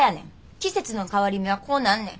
季節の変わり目はこうなんねん。